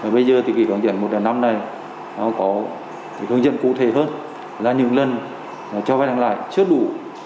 bây giờ thì cái hướng dẫn một trăm linh năm này có hướng dẫn cụ thể hơn là những lần cho vay nặng lại chưa đủ